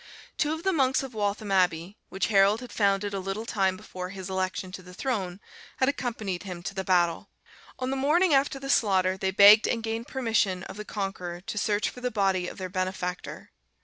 ] Two of the monks of Waltham abbey, which Harold had founded a little time before his election to the throne, had accompanied him to the battle. On the morning after the slaughter they begged and gained permission of the Conqueror to search for the body of their benefactor.